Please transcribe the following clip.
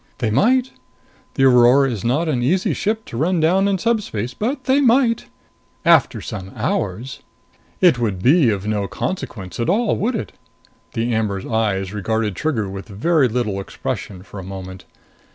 "They might! The Aurora is not an easy ship to run down in subspace; but they might. After some hours. It would be of no consequence at all, would it?" The amber eyes regarded Trigger with very little expression for a moment.